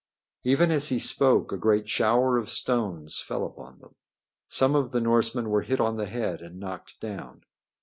Even as he spoke a great shower of stones fell upon them. Some of the Norsemen were hit on the head and knocked down.